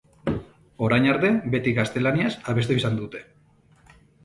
Orain arte beti gaztelaniaz abestu izan dute.